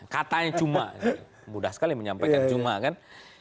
katanya cuma mudah sekali menyampaikan cuma kan